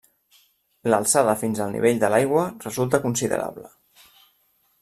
L'alçada fins al nivell de l'aigua resulta considerable.